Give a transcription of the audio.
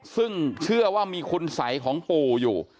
ซึ่งเชื่อว่ามีคุณสัยของปู่อยู่